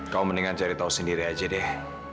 kau mendingan cari tahu sendiri aja deh